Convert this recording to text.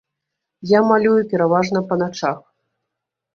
Я малюю пераважна па начах.